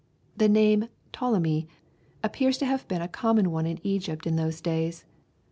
The name, Ptolemy, appears to have been a common one in Egypt in those days.